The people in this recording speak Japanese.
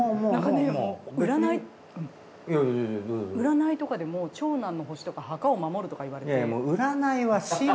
占いとかでも長男の星とか墓を守るとか言われて。